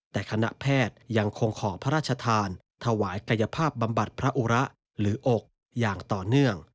แต่คณะแพทย์ยังคงขอพระราชทานถวายกายภาพบำบัดพระอุระหรืออกอย่างต่อเนื่อง